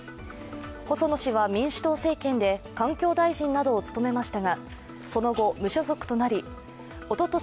細野氏は民主党政権で環境大臣などを務めましたが、その後、無所属となりおととし